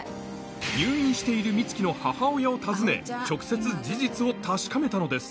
入院している美月の母親を訪ね直接事実を確かめたのです